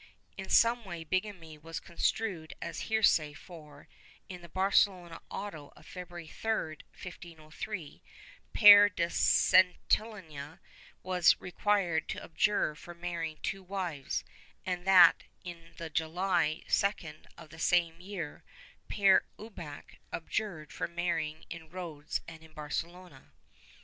^ In some way bigamy was construed as heresy for, in the Barcelona auto of February 3, 1503, Pere de Sentillana was required to abjure for marrying two wives, and in that of July 2, of the same year, Pere Ubach abjured for marrying in Rhodes and in Barcelona.